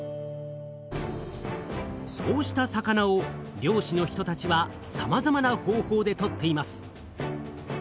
そうした魚を漁師の人たちはさまざまな方法でとっています。